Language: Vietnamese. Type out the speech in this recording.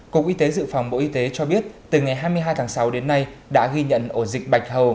cục y tế dự phòng bộ y tế cho biết từ ngày hai mươi hai tháng sáu đến nay đã ghi nhận ổ dịch bạch hầu